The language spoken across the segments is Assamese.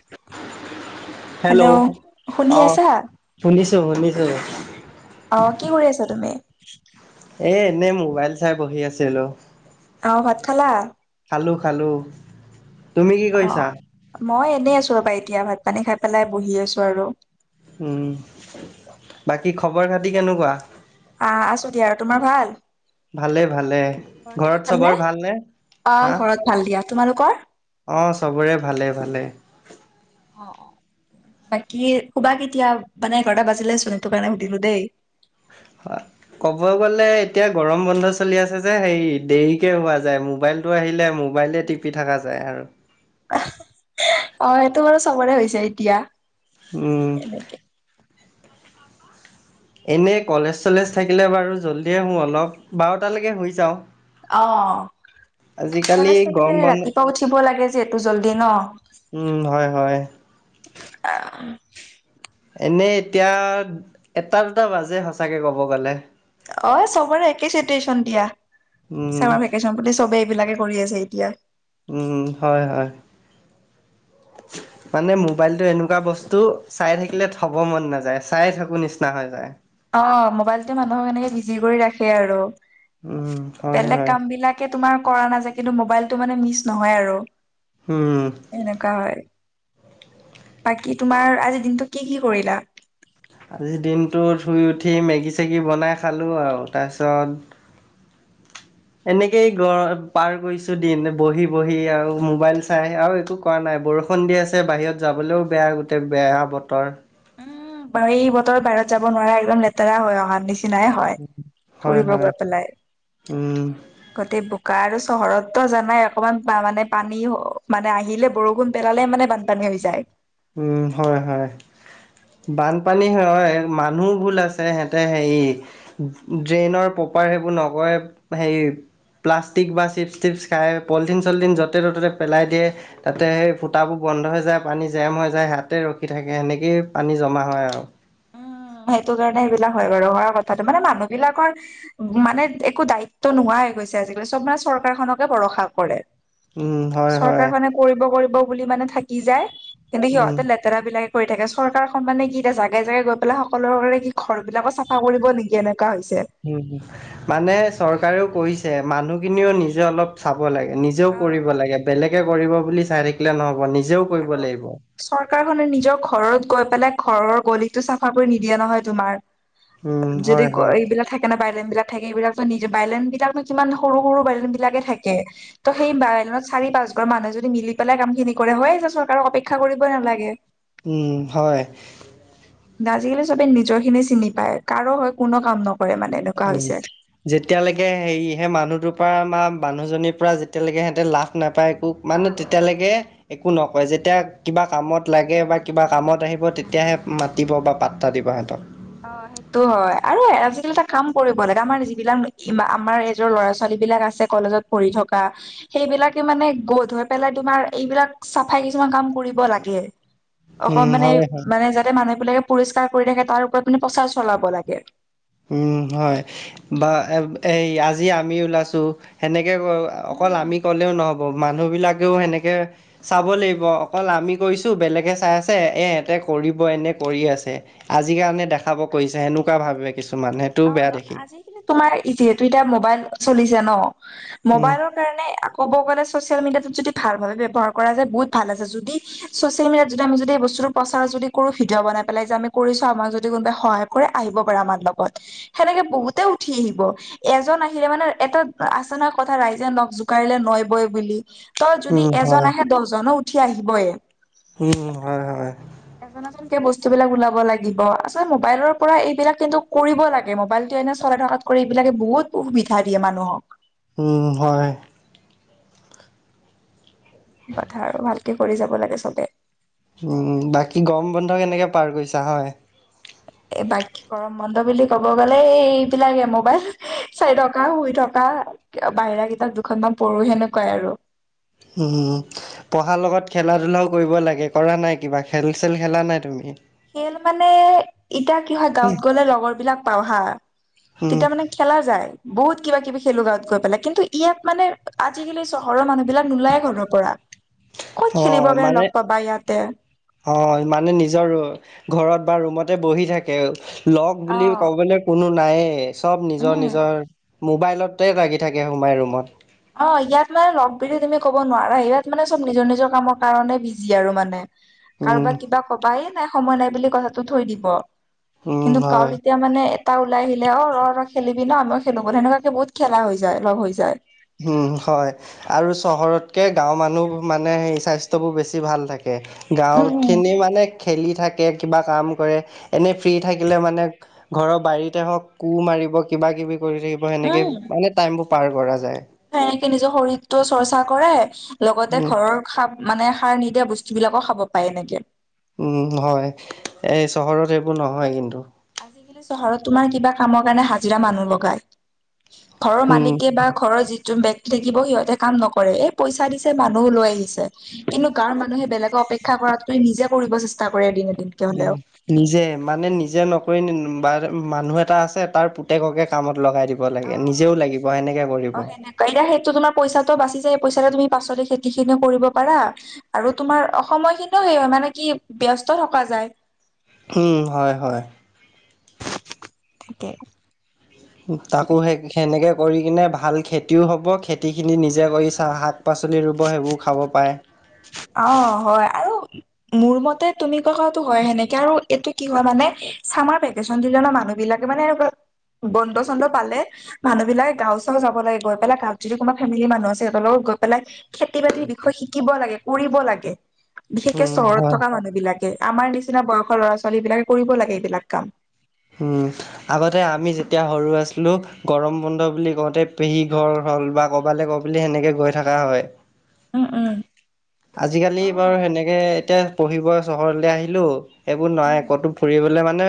[unintelligible] হেল্ল' শুনি আহ আছা? শুনিছোঁ শুনিছোঁ? অঁ', কি কৰি আছা তুমি? এ এনেই মোবাইল চাই বহি আছিলো। আহ ভাত খালা। খালো খালো। তুমি কি অ কৰিছা? মই এনেই আছো ৰবা, এতিয়া ভাত পানী খাই পেলাই বহি আছো আৰু। উম, বাকী খবৰ খাতি কেনেকুৱা? আহ আছো দিয়া আৰু। তোমাৰ ভাল? ভালে ভালে। ঘৰত ভাল নে? চবৰ ভালনে অঁহ ঘৰত ভাল দিয়া। তোমালোকৰ? অঁ চবৰে ভালে ভালে। অঁ, অঁ। বাকী শুবা কেতিয়া? মানে এঘাৰটা বাজিলে চোন সেইটো কাৰণে সুধিলো দেই। [inaudible] ক'ব গ'লে এতিয়া গৰম বন্ধ চলি আছে যে হে দেৰিকে হোৱা যায় মোবাইল টো আহিলে মোবাইলে টিপি থাকা যায় আৰু। অ' সেইটো বাৰু চবৰে হৈছে এতিয়া। উম। এনেকে। এনেই কলেজ চলেজ থাকিলে বাৰু জল্দিয়ে শুওঁ অলপ। বাৰটালৈকে শুই যাও। অ কলেজ থাকিলে ৰাতিপুৱা উঠিব লাগে যিহেতু জল্দি ন। উম হয় হয়। আহ এনেই এতিয়া এটা দুটা বাজে সঁচাকে ক'ব গ'লে। অ' চবৰে একে চিটুৱেশ্যন দিয়া উম চামাৰ ভেকেচন বুলি চবেই এইবিলাকে কৰি আছে এতিয়া। উম হয় হয়। [inaudible] মানে মোবাইলটো এনেকুৱা বস্তু চাই থাকিলে থ'ব মন নাযায়, চায় থাকোঁ নিচিনা হৈ যায়। অঁ মোবাইলটোৱে মানুহক এনেকে বিজি কৰি ৰাখে আৰু। উম হয় বেলেগ হয় কাম বিলাক তেনেকে তোমাৰ কৰা নাযায় কিন্তু মোবাইলটো মানে মিছ নহয় আৰু। হোম। এনেকুৱা হয়। বাকী তোমাৰ আজিৰ দিনটোত কি কি কৰিলা? আজিৰ দিনটোত শুই উঠি মেগী চেগী বনাই খালোঁ আৰু তাৰপিছত এনেকেই গৰ পাৰ কৰিছো দিন বহি বহি আৰু মোবাইল চাই আৰু একো কৰা নাই বৰষুণ দি আছে বাহিৰত যাবলৈও বেয়া গোটেই বেয়া বতৰ। উম এই বতৰ বাহিৰত যাব নোৱাৰা একদম লেতেৰা হয় অহাৰ নিচিনাই হয়, হয় ফুৰিব হয় গৈ পেলাই। উম গোটেই বোকা আৰু চহৰতো জানাই অকমান মানে পানী মানে আহিলে বৰষুণ পেলালে মানে বান পানী হৈ যায়। উম হয় হয়। বানপানী হয়, মানুহ ভুল আছে সিহঁতে হেৰি ড্ৰেইনৰ প্ৰপাৰ সেইবোৰ নকৰে হেৰি প্লাষ্টিক বা চিপছ চটিপছ খায় পলিথিন চলিথিন য'তে ত'তে পেলাই দিয়ে। তাতে সেই ফুটাবোৰ বন্ধ হৈ যায় পানী জাম হৈ যায় হেয়াতে ৰখি থাকে, সেনেকৈয়ে পানী জমা হয় আৰু। সেইটো কাৰণে সেইবিলাক হয় বাৰু নোহোৱা নহয় বাৰু কথাটো মানে মানুহ বিলাকৰ মানে একো দায়িত্ব নোহোৱা হৈ গৈছে আজিকালি চব মানে চৰকাৰ খনকে ভৰসা কৰে। উম হয় চৰকাৰ হয় খনে কৰিব কৰিব বুলি মানে থাকি যায় কিন্তু উম সিহঁতে লে তেৰা বিলাকে কৰি থাকে চৰকাৰখন মানে কি এতিয়া জাগাই জাগাই গৈ পেলাই সকলৰ কাৰনে কি ঘৰ বিলাকো চাফা কৰিব নেকি এনেকুৱা হৈছে। উম উম্, মানে চৰকাৰেও কৰিছে, মানুহখিনিও নিজে অলপ চাব লাগে নিজেও কৰিব অ', লাগে, বেলেগে কৰিব বুলি চাই থাকিলে নহ'ব নিজেও কৰিব আৰু লাগিব। চৰকাৰখনে নিজৰ ঘৰত গৈ পেলাই ঘৰৰ গলিটো চাফা কৰি নিদিয়ে নহয় তোমাৰ। উম যদি হয় হয় এইবিলাক থাকে বাইলেন বিলাক থাকে এইবিলাকতো নিজে বাইলেনবিলাকতো কিমান সৰু সৰু বাইলেনবিলাকে থাকে ত' সেই বাইলাইনত চাৰি পাঁচ ঘৰ মানুহে যদি মিলি পেলাই কাম খিনি কৰে হয় চৰকাৰক অপেক্ষা কৰিবই নালাগে। উম হয়। আজিকালি সবে নিজৰ খিনি চিনি পায় কাৰো হৈ কোনো কাম নকৰে মানে এনেকুৱা উম। হৈছে যেতিয়ালেকে হেৰি হে মানুহটোৰ পৰা বা মানুহজনীৰ পৰা যেতিয়ালেকে সিহঁতে লাভ নাপায় একো অ মানে অ তেতিয়ালেকে একো নকয় যেতিয়া কিবা কামত লাগে বা কিবা কামত আহিব তেতিয়াহে মাতিব বা পাত্তা দিব সিহঁতক। অ সেই তো হয় আৰু আজিকালি এটা কাম কৰিব লাগে আমাৰ যিবিলাক আমাৰ এইজৰ ল'ৰা ছোৱালী বিলাক আছে কলেজত পঢ়ি থকা সেইবিলাকে মানে গ্ৰথ হৈ পেলাই তোমাৰ এইবিলাক চফাই কিছুমান কাম কৰিব লাগে। অকন উম মানে হয় হয় মানে যাতে মানুহ বিলাকে পৰিষ্কাৰ কৰি থাকে তাৰ ওপৰত মানে প্ৰচাৰ চলাব লাগে। উম হয় বা এ এই আজি আমি ওলাইছো সেনেকে অ অকল উম আমি ক'লেও নহ'ব মানুহবিলাকেও সেনেকে চাব লাগিব অকল আমি কৰিছোঁ বেলেগে চাই আছে এ ইহঁতে কৰিব এনে কৰি আছে আজিৰ কাৰণে দেখাব কৰিছে সেনেকুৱা ভাবে কিছুমানুহে। অ ন আজিকালি তোমাৰ যিহেতু এতিয়া মোবাইল চলিছে ন উম মোবাইলত কাৰণে ক'ব গ'লে চচিয়েল মিডিয়াটো যদি ভাল ভাবে ব্যৱহাৰ কৰা যায় বহুত ভাল আছে যদি চচিয়েল মিডিয়াত যদি আমি যদি বস্তুটো প্ৰচাৰ যদি কৰো ভিডিঅ বানাই পেলাই যে আমি কৰিছোঁ আমাক যদি কোনোবাই সহায় কৰে আহিব পাৰে আমাৰ লগত সেনেকে বহুতে উঠি আহিব। এজন আহিলে মানে এটা আছে নহয় কথা ৰাইজে নখ জোকাৰিলে নৈ বই বুলি। তই যদি উম, হয়। এজন আহে দহজনো উঠি আহিবয়ে। হুম হুম হয় হয়। এজন এজনকে বস্তু বিলাক ওলাব লাগিব, আচলতে মোবাইলৰ পৰা এইবিলাক কিন্তু কৰিব লাগে মোবাইলটো এনে চলাই থকাত কৰি এইবিলাকে বহুত সুবিধা দিয়ে মানুহক। উম হয়। কথা আৰু ভালকে কৰি যাব লাগে সবে। উম বাকী গৰম বন্ধ কেনেকে পাৰ কৰিছা হয়? এই বাকী গৰম বন্ধ বুলি ক'ব গ'লে এই এইবিলাকে মোবাইল চাৰি থকা শুই থকা। বাহিৰা কিতাপ দুখনমান পঢ়ো সেনেকুৱাই আৰু। হুম হুমউম্। পঢ়াৰ লগত খেলা ধূলাও কৰিব লাগে, কৰা নাই? কিবা খেল চেল খেলা নাই তুমি? খেল মানে এতিয়া কি হয় গাঁৱত গলে লগৰ বিলাক পাওঁ হা, উম, তেতিয়া মানে খেলা যায়। বহুত কিবা কিবি খেলোঁ গাঁৱত গৈ পেলাই, কিন্তু ইয়াত মানে আজিকালি চহৰৰ মানুহ বিলাক নোলায় ঘৰৰ পৰা। ক'ত খেলিবৰ অ' কাৰণে মানে লগ পাবা ইয়াতে অ' মানে নিজৰ ঘৰত বা ৰুমতে বহি থাকে। লগ অ', বুলি ক'বলৈ কোনো নায়ে, চব নিজৰ উম। নিজৰ মোবাইলতে লাগি থাকে সোমাই ৰুমত। অ' ইয়াত মানে লগ বুলি তুমি ক'ব নোৱাৰা। ইয়াত মানে চব নিজৰ নিজৰ কামৰ কাৰণে বিজি আৰু মানে। উম, কাৰোবাক কিবা কবা, এই নাই সময় নাই বুলি কথাটো থৈ দিব। উম, কিন্তু হয়। কাৰো এতিয়া মানে তাৰ ওলাই আহিলে অ, ৰ খেলিবি ন, আমি খেলো সেনেকুৱাকে বহুত খেলা হৈ যায়, লগ হৈ যায়। উম, হয়, আৰু চহৰতকে গাঁওৰ মানুহ মানে সেই স্বাস্থ্যয় বোৰ বেছি ভাল থাকে। তে উম, গাঁৱৰ উম, খিনি মানে খেলি থাকে, কিবা কাম কৰে, এনেই ফ্ৰী থাকিলে মানে ঘৰৰ বাৰীতে হওঁক কোৰ মাৰিব কিবা কিবি কৰি থাকিব, সেনেকে মানে টাইমবোৰ পাৰ কৰা যায়। সনেকে নিজৰ শৰীৰটো চৰ্চা কৰে, লগতে উম ঘৰৰ খাপ মানে সাৰ নিদিয়া বস্তু বিলাকো খাব পায় এনেকে। উম, হয়, এই চহৰত এইবোৰ নহয় কিন্তু। আজিকালি চহৰত তোমাৰ কিবা কামৰ কাৰণে হাজিৰা মানুহ লগায়। ঘৰৰ উম মালিকে বা ঘৰৰ যিটো ব্যক্তি থাকিব সিহঁতে কাম নকৰে, এই পইচা দিছে মানুহো লৈ আহিছে। কিন্তু গাঁৱৰ মানুহে বেলেগক অপেক্ষা কৰাতকৈ নিজে কৰিব চেষ্টা কৰে এদিনে এদিন। হলেও উম। নিজে মানে নিজে নকৰি বা মানুহ এটা আছে তাৰ পুতেককে কামত লগাই দিব। লাগে, নিজেও লাগিব সেনেকে কৰিব। হয়নে? সেইটো তোমাৰ পইচাটো বাচি যায়। পইাটো তুমি পাছতে খেতি খিনি কৰিব পাৰা। আৰু তোমাৰ অ' সময় খিনিও সেই হয় মানে কি ব্যস্ত থকা যায়। উম, হয়, হয়। ঠিকে। তাকো হেই একে। সেনেকৈ কৰি কিনে ভাল খেতিও হ'ব, খেতিখিনি নিজে কৰি চা শাক, পাচলি ৰুব সেইবোৰ খাব পাৰে। অ', হয়, আৰু মোৰ মতে তুমি কথাটো কি হয়, সেনেকে আৰু এইটো কি হয় মানে চামাৰ ব ফেশ্বন ডিজাইন মানুহ বিলাকে মানে এনেকুৱা বন্ধ চন্দ পালে মানুহবিলাক গাঁও চাও যাব লাগে, গৈ পেলাই গাঁওত যদি কোনোবা ফেমিলি মানুহ আছে সিহতৰ লগত গৈ পেলাই খেতি বাতিৰ বিষয়ে শিকিব লাগে, কৰিব লাগে, বিশেষকে উম চহৰত হয় থকা মানুহ বিলাকে। আমাৰ নিচিনা বয়সৰ ল'ৰা, ছোৱালী বিলাকে কৰিব লাগে এইবিলাক কাম। হুম। আগতে আমি যেতিয়া সৰু আছিলো, গৰম বন্ধ বুলি কওঁতে পেহী ঘৰ হ'ল বা ক'বালৈ বুলি সেনেকৈ গৈ থকা হয়। উম, উম। আজিকালি অ বাৰু সেনেকে এতিয়া পঢ়িব চহৰলে আহিলো সেইবোৰ উম নই ক'তো ফুৰিবলৈ মানে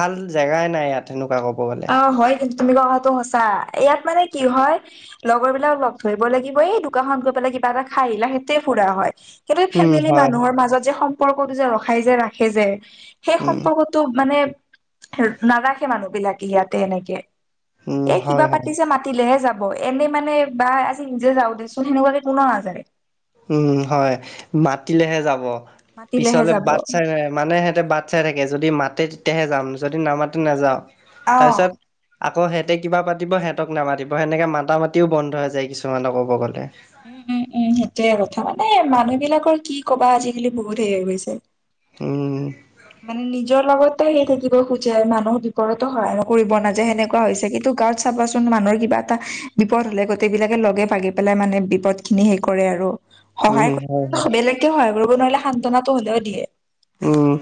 ভাল জেগাই নাই ইয়াত সেনেকুৱা ক'ব গ'লে। অ হয়, কিন্তু তুমি কোৱা কথাটো সঁচা, ইয়াত মানে কি হয় লগৰ বিলাক লগ ধৰিব লাগিব, এই দোকানখনত গৈ পেলাই কিবা এটা খাই আহিলা সেইটোৱে ফুৰা হয়। কিন্তু উম ফেমিলি হয় মানুহৰ মাজত যে সম্পৰ্কটো যে ৰখাই যে ৰাখে যে, সেই উম সম্পৰ্ক টো মানে নাৰাখে মানুহ বিলাকে ইয়াতে এনেকে। উম এই হয় কিবা হয় পাতিছে মা তিলেহে যাব, এনেই মানে বা আজি নিজে যাওঁ দেছোন সেনেকুৱাকে কোনা নাযায়। উম, হয়, মাতিলেহে যাব। মাতিলেহে পিছলে যাব বাট চাই ৰই, মানে সিহঁতে বাট চাই থাকে, যদি মাতে তেতিয়াহে যাম, যদি নামাতে নাযাওঁ। অ তাৰপিছত আকৌ সিহঁতে কিবা পাতিব সিহঁতক নামাতিব, সেনেকে মাতা, মাতিও বন্ধ হৈ যায় কিছুমানক ক'ব গলে। উম, উম, উম, সেইটোৱে কথা। মানে মানুহ বিলাকৰ কি কবা আজিকালি বহুত হে, হৈ, গৈছে। উম। মানে নিজৰ লগতো সেই থাকিব খোজে, মানুহৰ বিপৰতো সহায় কৰিব নাযায় সেনেকোৱা হৈছে, কিন্তু গাঁৱত চাবাচোন মানুহৰ কিবা এটা বিপদ হ'লে গোটেইবিলাকে লগে, ভাগি পেলাই মানে বিপদ খিনি সেই কৰে আৰু। উম, সহায় হয়, হয়। কৰিব বেলেগকে সহায় কৰিব নোৱাৰিলে সান্তনাটো হলেও দিয়ে। উম।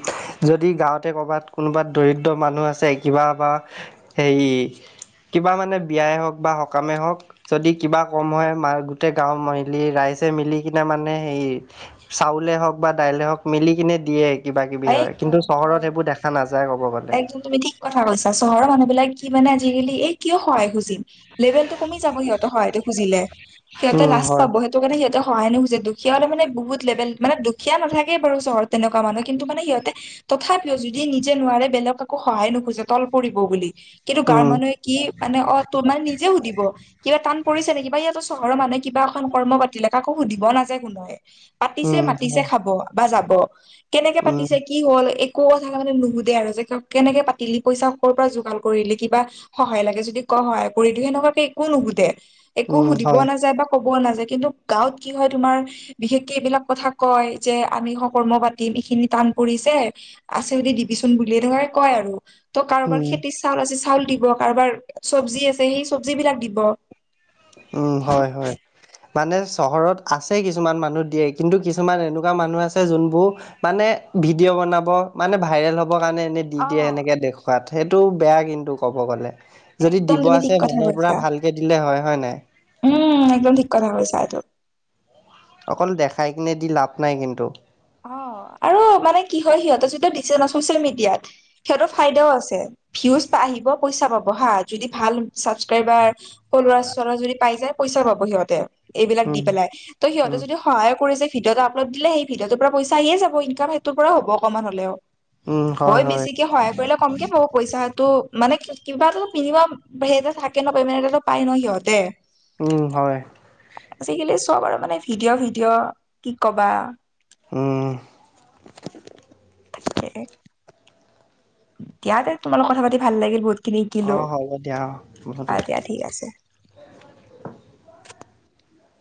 যদি গাওঁতে কৰ'বাত কোনোবাত দৰিদ্ৰ মানুহ আছে, কিবা বা সেই কিবা মানে বিয়াই হওক বা সকামেই হওক। যদি কিবা কম হয়, মা, গোটেই গাঁও মিলি ৰাইজে মিলি কিনে মানে সেই চাউলে হওঁক বা দাইলে হওক মিলি কিনে দিয়ে। কিবা কিবি এই হয়, কিন্তু তই অ চহৰত সেইবোৰ দেখা নাযায় কব গ'লে। একদম তুমি ঠিক কথা কৈছা। চহৰৰ মানুহ বিলাক কি মানে আজিকালি এই কিয় সহায় খুজিম। লেভেল টো কমি যাব সিহঁত সহায়টো খুজিলে। সিহঁতে উম লাছ হয় পাব সে টো কাৰনে সিহঁতে সহায় নোখোজে। দুখীয়া হলে মানে বহুত লেভেল। মানে দুখীয়া নাথাকেই বাৰু চহৰত তেনেকুৱা মানুহ কিন্তু মানে সিহঁতে তথাপিও যদি নিজে নোৱাৰে বেলেগ কাকো সহায় নোখোজে তল পৰিব বুলি। কিন্তু গাঁৱৰ উম মানুহে কি মানে অ তত নাই নিজে সুদিব। কিবা কাণ পৰিছে নেকি বা ইয়াতো চহৰৰ মানুহে কিবা এখন কৰ্ম পাতিলে কাকো সুধিব নাযায় কোনোৱে। পাতিছে, উম মাতিছে হয় খাব বা যাব। কেনেকে উম পাতিছে কি হ'ল, একো কথা তামানে নুশুধে আৰু যে কেনেকে পাতিলি, পইচা ক'ৰ পৰা যোগাৰ কৰিলি, কিবা সহায় লাগে যদি ক সহায় কৰি দিও, সেনেকুৱাকে একো নুশুধে। একো উম সুধিব হয় নাযায় বা ক'ব নাযায়, কিন্তু গাঁৱত কি হয়, তুমাৰ বিশেষকে এইবিলাক কথা কয় যে আমি স, কৰ্ম দিম এইখিনি টান পৰিছে, আছে যদি দিবিচোন বুলিয়ে সেতুহে কয় আৰু। ত' কাৰোবাৰ উম খেতি চাউল আছে চাউল দিব, কাৰোবাৰ চব্জি আছে সেই চবজিবলাক দিব। উম, হয় হয়। মানে চহৰত আছে কিছুমান মানুহ দিয়ে কিন্তু কিছুমান এনেকুৱা মানুহ আছে যোনবোৰ মানে ভিডিঅ' বনাব, মানে ভাইৰেল হ'বৰ কাৰণে এনে দি অ দিয়ে এনেকে দেখুৱাত, সেইটো বেয়া কিন্তু ক'ব গ'লে। যদি একদম দিব তুমি ঠিক আছে কথা মনৰ পৰা কৈছা ভালকে দিলে হয়, হয় নাই? উম, একদম ঠিক কথা কৈছা এইটো। অকল দেখাই কিনে দি লাভ নাই কিন্তু। অ, আৰু মানে কি হয় সিহঁতে যিটো দিছে ন ছচিয়েল মিডিয়াত। সিহঁতৰ ফাইদাও আছে ভিউজ বা আহিব পইচা পাব হা, যদি ভাল ছাবস্ক্ৰাইবাৰ সৰু ল'ৰা ছোৱালী যদি পাই যায়, পইচা পাব সিহঁতে এইবিলাক দি উম পেলাই। ত' সিহঁতে উম যদি সহায় কৰিছে ভিডিঅ' এটা আপলড দিলে। সেই ভিডিঅ'টো টো পৰা পইচা আহিয়ে যাব, ইনকাম সেইটো পৰা হব অকমাণ হলেও। হয় বেছিকে সহায় কৰিলে কম কে পাব পইচাটো। মানে কিবাটো মিনিমাম সেইটো থাকে ন, পেমে নেনতো পাই ন সিহঁতে? উম, হয়। আজিকালি চব আৰু মানে ভিডিঅ' ভিডিঅ', কি ক'বা? উম। [unintelligible] দিয়া তে তোমালোকত কথা পাতি ভাল লাগিল, বহুত খিনি অ শিকিলো। হ'ব দিয়া অ আহ দিয়া, ঠিক আছে।